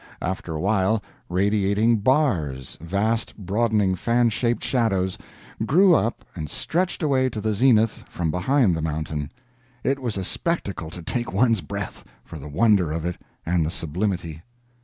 After a while, radiating bars vast broadening fan shaped shadows grew up and stretched away to the zenith from behind the mountain. It was a spectacle to take one's breath, for the wonder of it, and the sublimity.